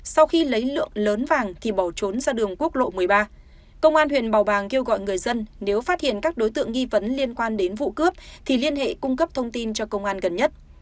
sau khi lấy lượng lớn vàng thì bỏ trốn ra đường quốc lộ một mươi ba công an huyện bảo bàng kêu gọi người dân nếu phát hiện các đối tượng nghi vấn liên quan đến vụ cướp thì liên hệ cung cấp thông tin cho công an gần nhất